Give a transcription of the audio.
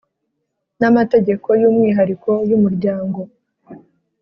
N amategeko y umwihariko y umuryango